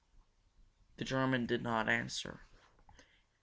The German did not answer.